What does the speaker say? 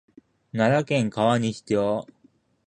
奈良県川西町